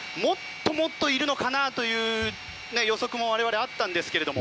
もっといるのかなという予測も我々、あったんですが。